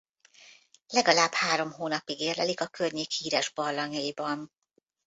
Legalább három hónapig érlelik a környék híres barlangjaiban.